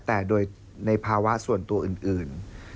แต่โดยในภาวะส่วนตัวอื่น